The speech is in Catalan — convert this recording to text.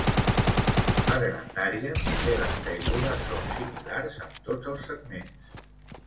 Per grandària, també les caigudes són similars en tots els segments.